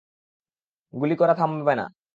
গুলি করা থামাবে না!